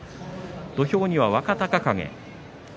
土俵には若隆景。